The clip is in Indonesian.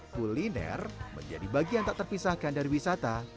kuliner menjadi bagian tak terpisahkan dari wisata